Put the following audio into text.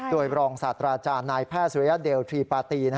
โดยรองศาสตราจารย์นายแพทย์สุริยเดลทรีปาตี